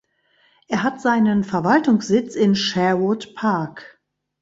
Er hat seinen Verwaltungssitz in Sherwood Park.